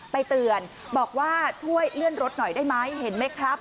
เตือนบอกว่าช่วยเลื่อนรถหน่อยได้ไหมเห็นไหมครับ